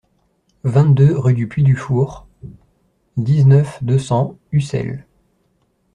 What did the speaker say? vingt-deux rue du Puy du Four, dix-neuf, deux cents, Ussel